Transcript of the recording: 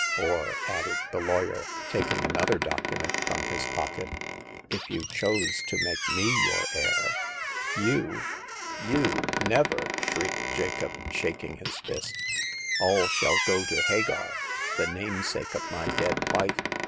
Or,'* added the lawyer, taking another document from his pocket, if you chose to make me your heir "" You ? You ? Never !shrieked Jacob, shaking his fist. All shall go to Hagar, the namesake of my dead wife.